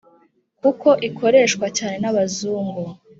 kuko ikoreshwa cyane nabazungu